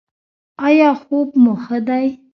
ایا خوب مو ښه دی؟